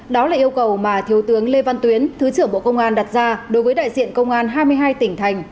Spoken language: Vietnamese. đó là yêu cầu mà thiếu tướng lê văn tuyến thứ trưởng bộ công an đặt ra đối với đại diện công an hai mươi hai tỉnh thành